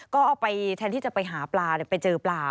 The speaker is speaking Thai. ก็เอาไปแทนที่จะไปหาปลาไปเจอปลา